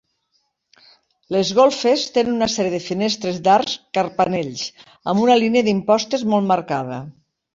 Les golfes tenen una sèrie de finestres d'arcs carpanells amb una línia d'impostes molt marcada.